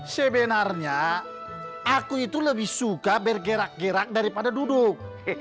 sebenarnya aku itu lebih suka bergerak gerak daripada duduk